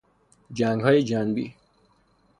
جنگهای جنبی